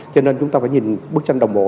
cho nên chúng ta phải nhìn bức tranh đồng bộ